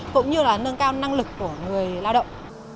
cũng như là nâng cao năng lực của người lao động